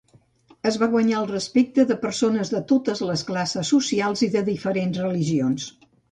Es va guanyar el respecte de persones de totes les classes socials i de diferents religions.